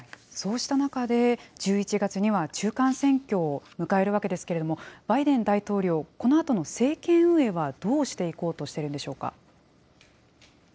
そうした中で、１１月には中間選挙を迎えるわけですけれども、バイデン大統領、このあとの政権運営はどうしていこうとしているんでしょうか。